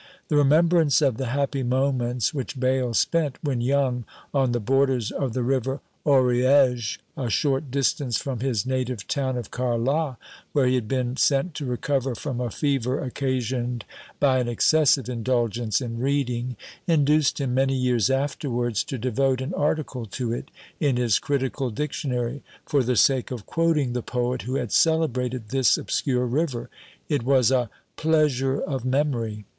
The remembrance of the happy moments which Bayle spent when young on the borders of the river AuriÃẀge, a short distance from his native town of Carlat, where he had been sent to recover from a fever occasioned by an excessive indulgence in reading, induced him many years afterwards to devote an article to it in his "Critical Dictionary," for the sake of quoting the poet who had celebrated this obscure river. It was a "Pleasure of Memory!"